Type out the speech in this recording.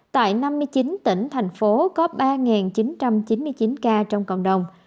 tại năm mươi chín tỉnh thành phố có ba chín trăm chín mươi chín ca trong cộng đồng